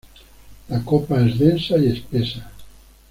La copa es densa y espesa.